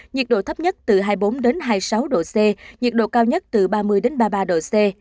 nhiệt độ thấp nhất từ hai mươi bốn đến hai mươi sáu độ c nhiệt độ cao nhất từ ba mươi ba mươi ba độ c